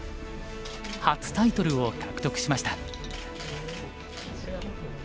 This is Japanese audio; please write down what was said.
初タイトルを獲得しました。